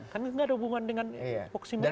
kan itu tidak ada hubungan dengan voksi mereka